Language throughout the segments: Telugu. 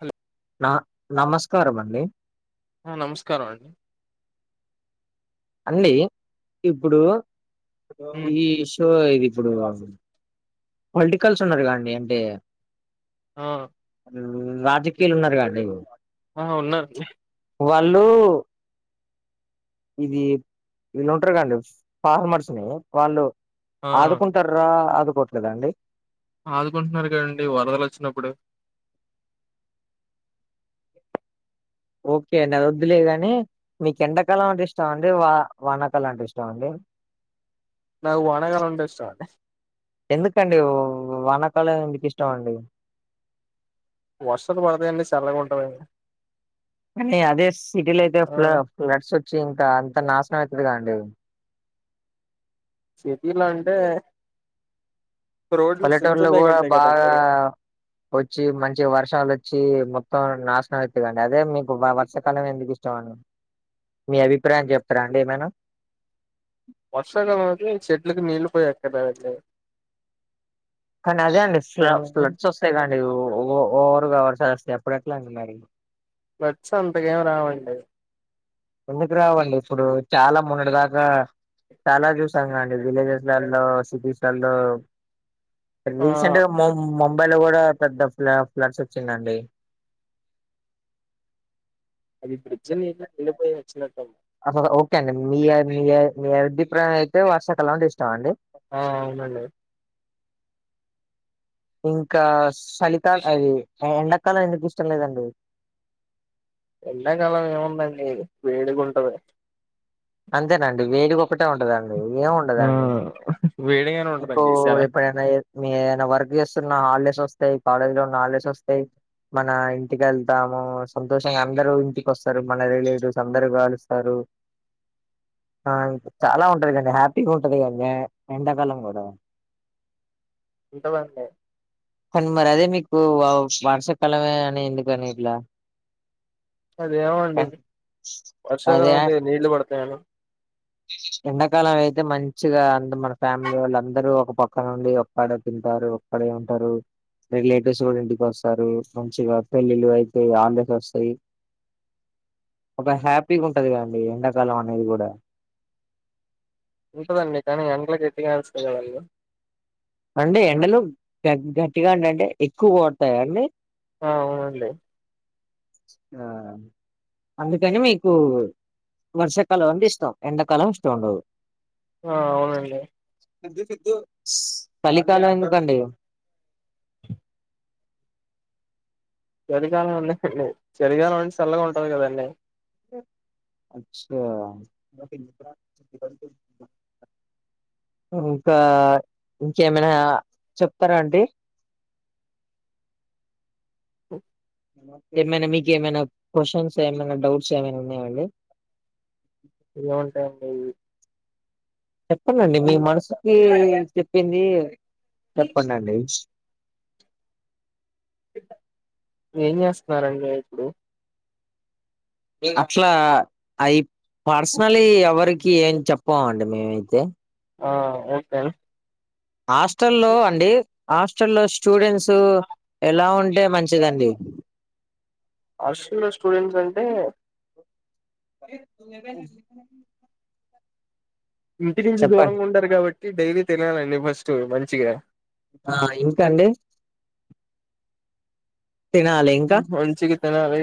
హలో నా నమస్కారం అండి ఆ నమస్కారం అండి అండి ఇప్పుడు హ్మ్ ఈ సో ఇది ఇప్పుడు పొలిటికల్స్ ఉన్నారు కా అండి అంటే ఆ రాజకీయలు ఉన్నారు కా అండి ఆ ఉన్నార్ అండి వాళ్ళు ఇది వీళ్ళు ఉంటారు కండి ఫార్మర్స్ ని వాళ్ళు ఆ ఆదుకుంటార్రా ఆదుకోట్లేదా అండి ఆదుకుంటున్నారు కదండి వరదలు వచ్చినప్పుడు ఓకే అండి అది వద్దులే గాని మీకు ఎండాకాలం అంటే ఇష్టమా అండి వా వానకాలం అంటే ఇష్టం అండి నాకు వానా కాలం అంటే ఇష్టం అండి ఎందుకండి వానాకాలం మీకు ఇష్టమా అండి వర్షాలు పడతాయండి చల్లగా ఉంటుందండి కానీ అదే సిటీలో అయితే ఆ ఫ్ల ఫ్లడ్స్ వచ్చి ఇంకా అంత నాశనం అయితదిగాండి. సిటీలా అంటే రోడ్లు చిన్న పల్లెటూరులో చిన్నగా కూడా ఉంటాయి బాగా కదండి వచ్చి మంచి వర్షాలు వచ్చి మొత్తం నాశనం అయిపొయోదండి. అదే మీకు వర్షాకాలమే ఎందుకు ఇష్టం అండి. వ్మ్ మీ అభిప్రాయం చెప్పరా అండి ఏమైనా వర్షకాలం అయితే చెట్లకు నీళ్ళు పోయ అక్కర్లేదు అండి కానీ అదే అండి ఆ ఫ్ల ఫ్లడ్స్ వస్తాయి కాండి ఓవర్గావర్ వర్షాలు వస్తాయి అప్పుడేట్లా అండి మరి ఫ్లడ్స్ అంతగా ఏం రావండి ఎందుకు రావండి ఇప్పుడు చాలా మొన్నటి దాకా చాలా చూసాంగా అండి విలేజెస్ లలో సిటీస్ లలో ఆ రీసెంట్ గా మొం ముంబై లో కూడా పెద్ద ఫ్ల ఫ్లట్స్ వచ్చిందండి అది బ్రిడ్జనిట్లా నిండిపోయి వచ్చినట్టుంది అస ఓకే అండి మీయ మీయ మీయ అభిప్రాయం అయితే వర్షాకాలం అంటే ఇష్టమాండి. ఆ అవునండి ఇంకా సలిక అది ఎండకాలం ఎందుకు ఇష్టం లేదండి ఎండాకాలం ఏముందండి వేడిగా ఉంటది అంతేనండి వేడిగా ఒక్కటే ఉంటదండి ఇగ ఏమి ఆ వేడిగానే మీకు ఉంటదండి చాలా ఎప్పుడైన ఏ మీ ఏమన్నా వర్క్ చేస్తున్న హాలిడేస్ వస్తాయి కాలేజ్ లో ఉన్న హాలిడేస్ వస్తాయి. మన ఇంటికి వెళ్తాము సంతోషంగా అందరూ ఇంటికోస్తారు. మన రిలేటివ్స్ అందరు కలుస్తారు. ఆ చాలా ఉంటది కండి హ్యాపీగా ఉంటది కండి ఎండాకాలం అవునా ఉంటదండి కానీ మరి అదే మీకు వార్షాకాలమే అని ఎందుకని ఇట్లా అదేమండి వర్షాకాలం అదే అయితే నీళ్లు పడతాయని ఎండాకాలం అయితే మంచిగా అంత మన ఫ్యామిలీ వాళ్ళ అందరూ ఒక ప అక్కడ నుండి ఒక్కాడే తింటారు ఒక్కడే ఉంటారు రిలేటివ్స్ కూడా ఇంటికి వస్తారు మంచిగా పెళ్ళిళ్లు అయితయి హాలిడీస్ వస్తాయి. ఒక హ్యాపీగా ఉంటది కండి ఎండాకాలం అనేది కూడా ఉంటదండి కానీ ఎండలకి గట్టిగా ఎస్తాయి కాదండి అంటే ఎండలు గ గట్టిగా అంటంటే ఎక్కువ కొడతాయ అండి ఆ అవునండి ఆ అందుకని మీకు వర్షాకాలం అంటే ఇష్టం ఎండాకాలం ఇష్టం ఉండదు ఆ అవునండి సలికాలం ఎందుకండి చలికాలం కూడా ఇష్టం లేదు చలికాలం చల్లగా ఉంటంది కదండి అచ్చ ఇంకా ఇంకేమైనా చెప్తారా అండి ఓ ఏమైనా మీకి ఏమైనా క్వశ్చన్స్ ఏమైనా డౌట్స్ ఏమైనా ఉన్నాయాండి. ఏముంటాయండి చెప్పండి అండి మీ మనసుకి చెప్పింది చెప్పండి అండి ఏం చేస్తున్నారండి ఇప్పుడు అట్లా అవి పర్సనల్ వి ఎవరికి ఏం చెప్పామండి మేమైతే ఆ ఓకే హాస్టల్ల్లో అండి హాస్టల్లో స్టూడెంట్స్ ఎలా ఉంటే మంచిదండి హాస్టల్ లో స్టూడెంట్స్ అంటే ఇంటి నుంచి చెప్పండి దూరంగా ఉండారు కాబట్టి డైలీ తినాలండి ఫస్ట్ మంచిగా ఆ ఇంకా అండి తినలీ మంచిగ తినాలి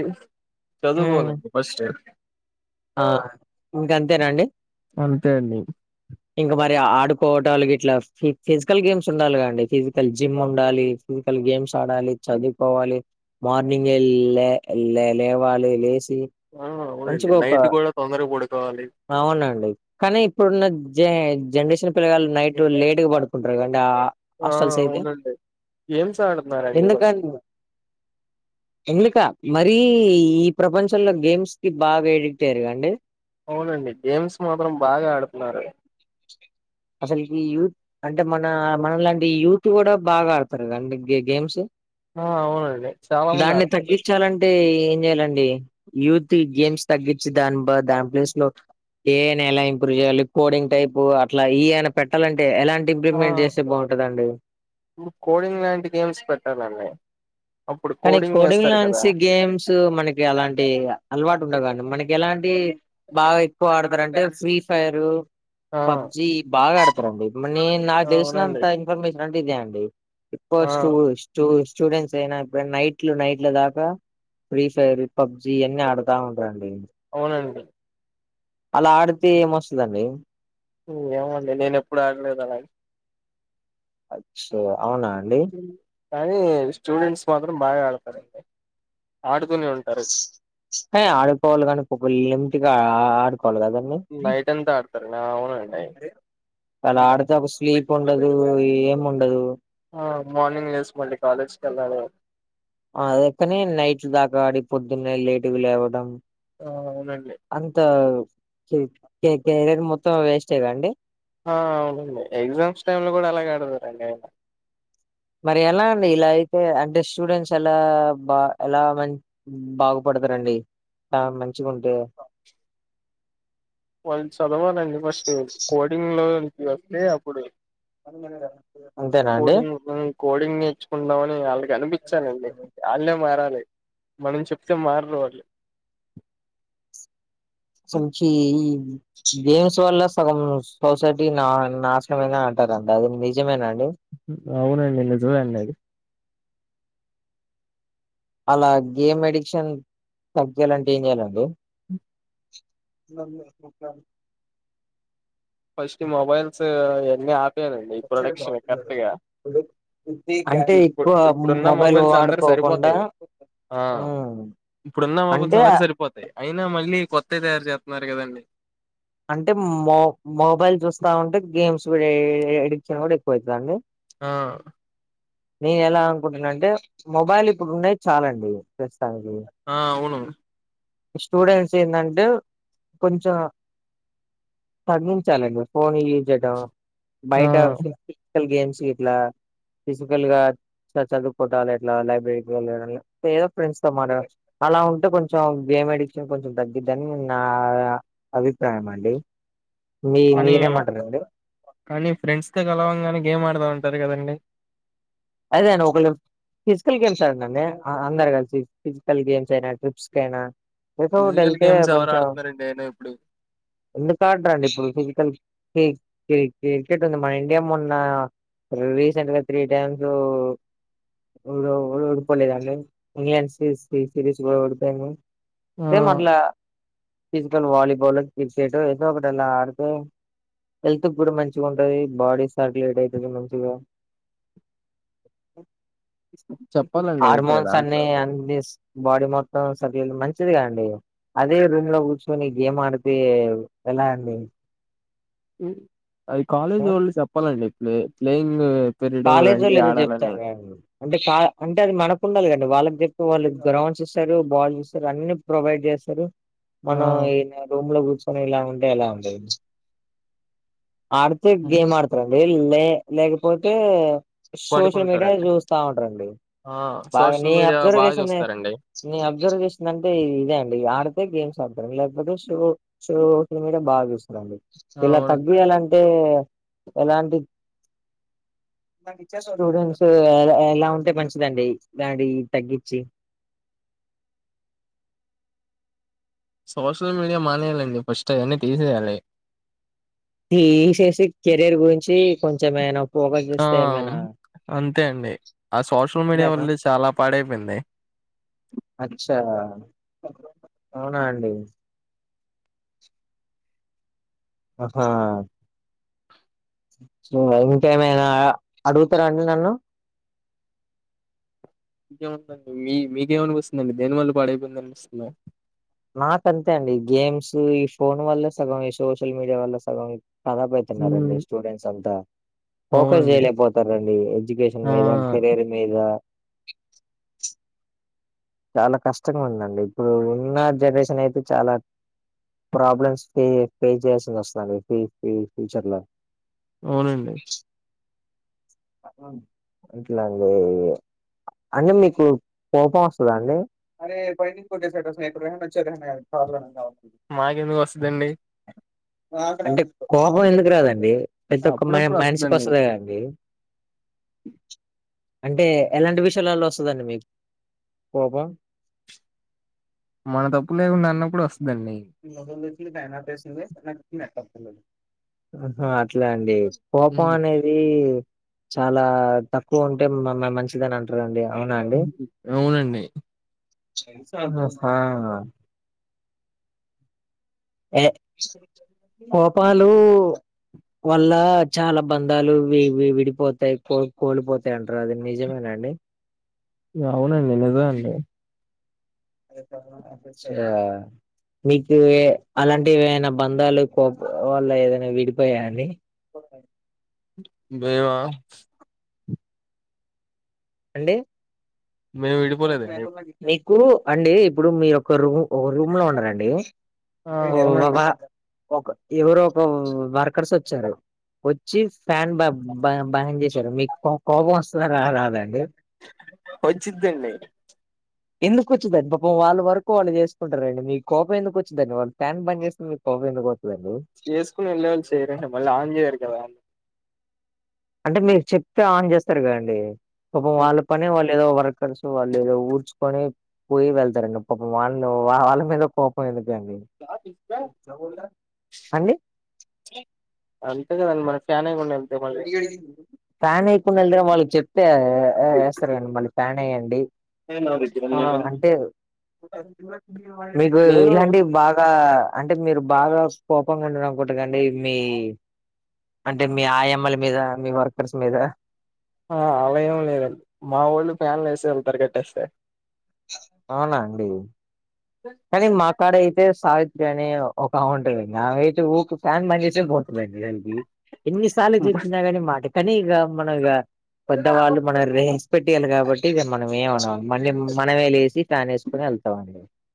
చదువుకోవాలండి ఫస్ట్ ఆ ఇంకంతేనాండి అంతే అండి ఇంకా మరి ఆడుకోవటాలు గిట్లా ఫిజికల్ గేమ్స్ ఉండాలిగా అండి ఫిజికల్ జిమ్ ఉండాలి ఫిజికల్ గేమ్స్ ఆడాలి చదువుకోవాలి మార్నింగే లే లే లేవాలి లేచి ఆ అవునండి నైట్ కూడా తొందరగా పడుకోవాలి అవునండి కానీ ఇప్పుడున్న జ జనరేషన్ పిల్లగాళ్ళు నైట్ లేట్గా పడుకుంటారు కదండి ఆ ఆ హాస్టల్స్ అయితే అవునండి గేమ్స్ ఆడుతున్నారండి ఫస్ ఎందుకం ఎందుక మరీ ఈ ప్రపంచంలో గేమ్స్ కి బాగా ఎడిక్ట్ అయ్యారుకండి అవునండి గేమ్స్ మాత్రం బాగా ఆడుతున్నారు అసలుకి యు అంటే మన మన లాంటి యూత్ కూడా బాగా ఆడతారు కదండి గ్ గేమ్స్ ఆ అవునుడి చాలా మంది ఆడుతారు చాలంటే ఏం చేయ్యాలండి యూత్ గేమ్స్ తగ్గించి దాని బ దాని ప్లేస్ లో ఏఐ ని ఎలా ఇంప్రూవ్ చేయాలీ కోడింగ్ టైప్ అట్ల ఏఐ ని పెట్టాలంటే ఎలాంటి ఆ ఇంప్లిూవ్మెంట్ చేస్తే బాగుంటదండి ఇప్పుడు కోడింగ్ లాంటి గేమ్స్ పెట్టాలండి అప్పుడు కానీ కోడింగ్ చేస్తారు కదా లంసి గేమ్స్ మనకి అలాంటి అలవాటు ఉండవుక అండి మనకి ఎలాంటి బాగా ఎక్కువ ఆడతారంటే ఫ్రీ ఫైరు ఆ పబ్జి బాగా ఆడుతారండి ని నాకు తెలిసినంత అవునండి ఇన్ఫర్మేషన్ అంటే ఇదే అండి ఆ ఇప్పస్ట్ స్ూ స్టూడెంట్స్ అయినా ఇప్పు నైట్లు నైట్లు దాకా ఫ్రీ ఫైర్ పబ్జి అన్నీ ఆడుతా ఉంటరండి అవునండి అలా ఆడితే ఏమొస్తదండి ఏమొ అండి నేను ఎప్పుడు ఆడలేదు అలా అచ్చో అవునా అండి కానీ స్టూడెంట్స్ మాత్రం బాగా ఆడుతారండి ఆడుతూనే ఉంటారు హే ఆడుకోవాలి కని పాపం లిమిట్ గ ఆడుకోవాలి కదా నైట్ అంతా ఆడుతారు ఆ అవునండి అలా ఆడితే ఒక స్లీప్ ఉండదు ఏం ఉండదు ఆ మార్నింగ్ లేసుకొండి కాలేజ్కి వెళ్ళారు అదే కాని నైట్ దాకాడి పొద్దున్నే లేటుగా లేవడం ఆ ఆవునండి అంత కెరియర్ మొత్తం వేస్టే కదా అండి. ఆ అవునండి ఎగ్జామ్స్ టైమ్ లో కూడా అలాగే ఆడు తరండి ఆ మరి ఎలా అండి ఇలా అయితే అంటే స్టూడెంట్స్ ఎలా బా ఎలా మం బాగుపడతారండి కా మంచిగా ఉంటే వాళ్ళు చదవాలండి ఫస్ట్ కోడింగ్ లో వస్తే అప్పుడు అంతేనా అండి కోడింగ్ కోడింగ్ నేర్చుకుంటాము అని వాళ్ళకి ఆనిపించాలండి వాళ్ళే మారాలి మనం చెప్తే మారరు వాళ్ళు సంక్షి గేమ్స్ వల్ల సగం సొసైటీ నా నాశనము అయ్యింది. అంటారండి అది నిజమేనండి అవునండి. నిజమే అండి అది అలా గేమ్ ఎడిక్షన్ తగ్గాలంటే ఏం చెయాలండి [unintelligible] ఫస్ట్ మొబైల్స్ ఈ వాన్నీ ఆపేయా లాండి ఈ ప్రొడక్షన్ కరెక్ట్గా అంటే ఇప్పుడు ఎక్కువ ఇప్పుడున్న మొబైల్ మొబైల్స్ అందరికి వాడుకోకుండా సరిపోతాయి ఆ ఉమ్ ఇప్పుడున్న మొబైల్స్ అంటే అందారికి సరిపోతయి అయినా మళ్ళీ కొత్తవి తయారు చేస్తున్నారు కదండి అంటే మో మొబైల్ చూస్తా ఉంటే గేమ్స్ కూడా ఎడిక్షన్ కూడా ఎక్కువవుతుందండి ఆ నేను ఎలా అనుకుంటున్నాను అంటే మొబైల్ ఇప్పుడు ఉన్నాయి. చాలండి ప్రస్తుతానికి ఆ అవును స్టూడెంట్స్ ఏందాంటే కొంచెం తగ్గించాలండి ఫోన్ యూజ్ చేయడం ఆ బయట ఫీ ఫిజికల్ గేమ్స్ గిట్ల ఫిజికల్గా చదువుకోవాటలు ఏట్లా లైబ్రరీకి వెళ్ళడం ఏదో ఫ్రెండ్స్ తో మాట్లాడటం అలా ఉంటే కొంచెం గేమ్ ఎడిక్షన్ కొంచెం తగ్గిద్దని నా అభిప్రాయం అండి మీ కానీ మీరేమంటారండి కానీ ఫ్రెండ్స్నీ కలవంగానే గేమ్ ఆడుతా అంటారు కదండి. అదే అండి ఒకలు ఫిజికల్ గేమ్స్ అండి అందరు కలిసి ఫిజికల్ గేమ్స్ అయినా ట్రిప్స్ కు అయినా ఎటు ఫిజికల్ డేల్తే గేమ్స్ ఎవరు కొంచెం ఆడుతున్నారండి అయినా ఇప్పుడు ఎందుకు ఆడ్రండి ఇప్పుడు ఫిజికల్ క్రికెట్ ఉంది మన ఇండియా మొన్న రీసెంట్ గా త్రీ టైమ్స్ ఏవాలు ఓడిపోలేదాండి ఇంగ్లండ్ సిరిస్ కూడా ఓడిపోయింది ఆ ఏం అట్ల ఫిజికల్ వాలీబాల్ క్రికెట్ ఏదో ఒకటి ఆలా ఆడితే హెల్త్ కూడా మంచిగా ఉంటది బాడీ సర్కులేట్ అవుతుంది మంచిగా చెప్పాలండి అయితే హార్మోన్స్ అన్ని దాంట్లో చెప్పి అంది బాడీ మొత్తం సర్కులేట్ మంచిది కదండి అదే రుమ్లో కూర్చుని గేమ్ ఆడితే ఎలా అండి అది కాలేజ్ వోళ్ళు చెప్పాలండి ప్లే ప్లేయింగ్ పీరియడ్ కాలెజ్ రండి వొళ్ళు ఆడాలని చెప్తతారు అంటే కా అంటే అది మనకు ఉండాలి. కదండి వాళ్ళకి చెప్పితే వాళ్ళు గ్రౌండ్స్ ఇస్తారు. బాల్ చూస్తారు అన్ని ప్రొవైడ్ చేస్తారు ఆ మనం ఈ రూమ్ లో కూర్చొని ఇలా ఉంటే ఎలా అంది ఆడితే హ్మ్. గేమ్ ఆడతారండి లే లేకపోతే సోషల్ మీడియా పడుకుంటారండి చూస్తా ఉంట రండి ఆ బాగా నే సోషల్ మీడియా అబ్జర్వ్ బాగా చేసింది చూస్తారండి నేను అబ్జర్వ్ చేసిందింటే ఇదే అండి ఆడితే గేమ్స్ ఆడతాను లేకపోతే షో సో ఈ మేడం బాగా చూస్తుందండి ఇలా అవును తగ్గియాలంటే ఎలాంటి స్టూడెంట్స్ ఎలా ఉంటే మంచిదండి దలాంటి తగ్గించి సోషల్ మీడియా మానేయాలండి ఫస్ట్ అవన్నీ తీసేయాలి తీసేసి కెరీర్ గురించి కొంచెమేనా ఆ అంతే అండి ఆ సోషల్ మీడియా అంతేనా వల్లె చాలా పాడైపోయింది అచ్చా అవునా అండి అహా ఇంకేమైన అడుగుతరా అండి నన్ను ఇంకేం ఉందండి మీ మీకే అనిపిస్తుందండి దేని వల్ల పాడైపోయింది అనిపిస్తుంద నాకు అంతే అండి గేమ్స్ ఈ ఫోన్ వల్లే సగం ఈ సోషల్ మీడియా వల్ల సగం ఖరాబ్ అయితున్నారండి స్టూడెంట్స్ అంతా ఫోకస్ అవునండి చేయలేకపోతారండి ఎడ్యుకేషన్ ఆ మీద కెరీర్ మీద చాలా కష్టంగా ఉందండి ఇప్పుడు ఉన్న జనరేషన్ అయితే చాలా ప్రాబ్లమ్స్ పె ఫేస్ చేయాల్సి వస్తుంది అండి ఫ్యూచర్ లో అవునండి ఇట్లాండి అంటే మీకు కోపం వస్తదా అండి అ పైనింగ్ కొట్టేశాడ్ రా [inaudible] మాకెందుకు వస్తుందండి అంటే కోపం ఎందుకు రాదండి ప్రతి ఒక్క మ అప్పుడప్పుడు మనిషికి వస్తదండి వస్తుంది కదండి అంటే ఎలాంటి విషయాలలో వస్తుందండి మీకు కోపం మన తప్పు లేకుండా అన్నప్పుడు వస్తుందండి అహ అట్లా అండి కోపం ఉమ్, అనేది చాలా తక్కువ ఉంటే మంచిదని అంత రండి అవునా అండి అవునండి ఆ ఏ కోపాలు వల్ల చాలా బంధాలు వె విడిపోతాయి కొ కోలిపోతాయి అంటారు అది నిజమేనండి అవునండి నిజం అండి ఛ మీకు అలాంటి ఏవైన బంధాలు కో వల్ల ఏదైన విడిపోయా అండి ఒకా మేమా అండి మేము విడిపోలేదండి ఎప్పుడు. మీకు అండి ఇప్పుడు మీ ఒ క్కరు ఒక రూమ్ లో ఉండారంపి ఆ అవునండి ఒకా ఒక ఎవరో ఒక వర్కర్స్ వచ్చారు వచ్చి ఫ్యాన్ బ బ బాన్ చేశారు మీకు కోపం వస్తదా రాదా అండి వచ్చిద్దండి ఎందుకు వచ్చిందండి పాపం వాళ్ళ వరకు వాళ్ళు చేసుకుంటారండి మీకు కోపం ఎందుకు వచ్చుందండి వాళ్ళ ఫాన్ బంద్ చేకుిన కోవెంత గాట్లురు చేసుకున్న రిలయన్స్ మళ్ళ ఆన్ చేయరు కదా వాళ్ళు అంటే మీరు చెప్తే ఆన్ చేస్తారు కదండి. పాపం వాళ్ళ పని వాళ్ళు ఏదో వర్కర్స్ వాళ్ళేదో ఊర్చుకొని పోయి వెళ్తారండి. పాపం వాళ్ళు వాళ్ళ మీద కోపం ఎందుకండి సన్ని అంతే గదా మన ఫ్యాన్ వేయ ఫ్యాన్ వెయ్యకుండా వెళ్లిన వాళ్ళకి చెప్ప ఆ ఎస్తారు కదాండి మళ్ళీ ఫ్యాన్ వెయ్యండి ఏ నాదగ్గర యేన అ మీకు ఇలాంటివి బాగా అంటే మీరు బాగా కోపంగా ఉంటారు అనుకుంట గదండీ మీ అంటే మీ ఆయమ్మల లేదా మీద మీ వర్కర్స్ మీద ఆళ్ళా ఏం లేదండి మావోల్లు ఫ్యాన్లు ఎసి వెళ్తారు కట్టేస్తే అవునా అండి దేన్ కానీ మాకాడ అయితే సావిత్రి అని ఒక ఆమె ఉంటది. ఆమె అయితే ఊకె ఫ్యాన్ బంజేసి పోతది. ఎన్నిసార్లు చెప్పిన గానీ మాట కానీ ఇగ మనం ఇగ పెద్ద వాళ్ళు మనం రెస్పెక్ట్ ఇయ్యాలి కాబట్టి ఇగ మనం ఏమో మళ్ళీ మనమే లేసి ఫ్యాన్ ఎసుకొని వెళ్తామండి